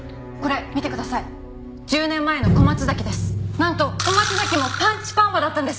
なんと小松崎もパンチパーマだったんです！